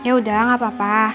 yaudah gak apa apa